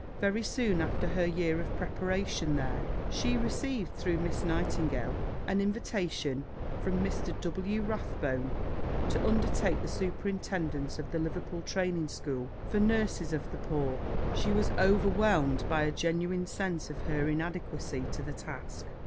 Very soon after her year of preparation there, she received, through Miss Nightingale, an invitation from Mr. W. Rathbone to undertake the superintendence of the Liverpool Training School for Nurses of the Poor. She was overwhelmed by a genuine sense of her inadequacy to the task.